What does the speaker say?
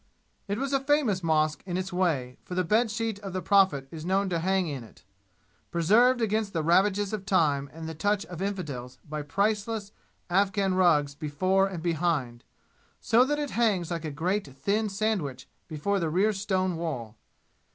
It was a famous mosque in its way, for the bed sheet of the Prophet is known to hang in it, preserved against the ravages of time and the touch of infidels by priceless Afghan rugs before and behind, so that it hangs like a great thin sandwich before the rear stone wall.